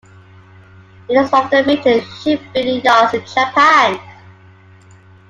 It is one of the major shipbuilding yards in Japan.